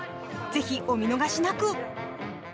ぜひお見逃しなく！